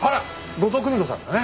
後藤久美子さんだね。